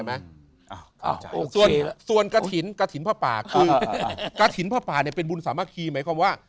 อ้าวโอเคส่วนกระถินพระป่าคือกระถินพระป่าเนี่ยเป็นบุญสามัคคีไหมความว่า